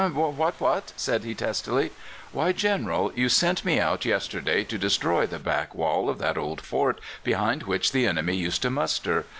what! what!' said he testily. "'Why, General, you sent me out yesterday to destroy the back wall of that old fort behind which the enemy used to muster.